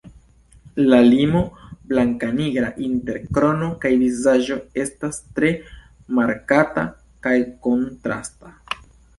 La limo blankanigra inter krono kaj vizaĝo estas tre markata kaj kontrasta.